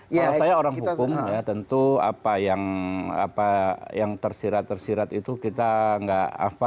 kalau saya orang hukum ya tentu apa yang tersirat tersirat itu kita nggak apa